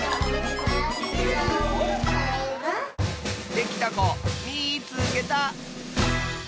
できたこみいつけた！